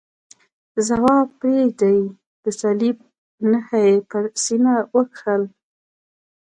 ځواب پرېږدئ، د صلیب نښه یې پر سینه وکښل.